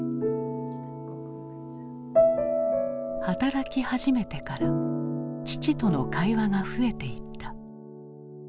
働き始めてから父との会話が増えていった。